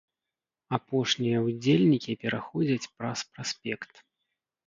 Апошнія ўдзельнікі пераходзяць праз праспект.